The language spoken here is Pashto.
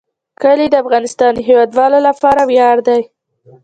کلي د افغانستان د هیوادوالو لپاره ویاړ دی.